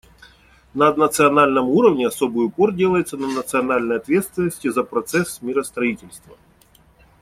На национальном уровне особый упор делается на национальной ответственности за процесс миростроительства.